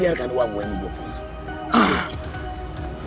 biarkan wangmu yang membukul